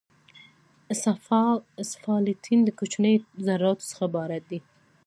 اسفالټین د کوچنیو ذراتو څخه عبارت دی